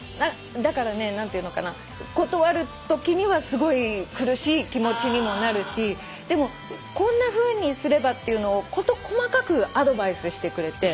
だからね何ていうのかな断るときにはすごい苦しい気持ちにもなるしでもこんなふうにすればっていうのを事細かくアドバイスしてくれて。